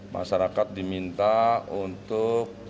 masyarakat diminta untuk